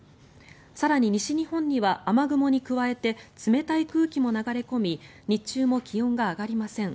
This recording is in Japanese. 更に西日本には雨雲に加えて冷たい空気が流れ込み日中も気温が上がりません。